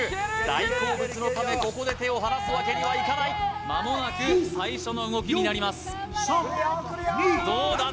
大好物のためここで手を離すわけにはいかないまもなく最初の動きになりますどうだ？